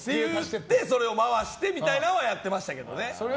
で、それを回してってのはやってましたけどね。